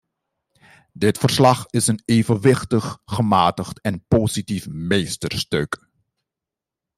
Dit verslag is een evenwichtig, gematigd en positief meesterstuk.